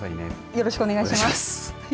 よろしくお願いします。